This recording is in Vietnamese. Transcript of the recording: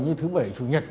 như thứ bảy chủ nhật